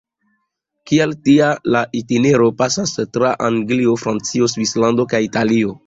Kiel tia, la itinero pasas tra Anglio, Francio, Svislando kaj Italio.